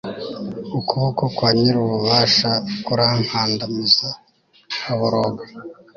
ukuboko kwa nyir'ububasha kurankandamiza, nkaboroga